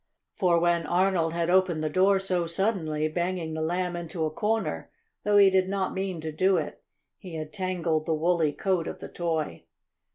For when Arnold had opened the door so suddenly, banging the Lamb into a corner, though he did not mean to do it, he had tangled the woolly coat of the toy.